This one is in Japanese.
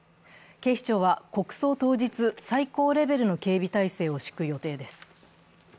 警視庁は国葬当日、最高レベルの警備態勢を敷く予定です。